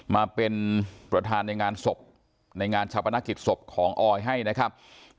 มาเป็นประธานในงานศพในงานชาปนกิจศพของออยให้นะครับ